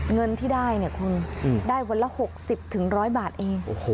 เงินที่ได้เนี่ยคุณได้วันละ๖๐๑๐๐บาทเอง